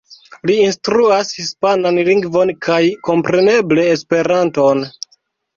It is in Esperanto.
Li instruas hispanan lingvon, kaj kompreneble Esperanton.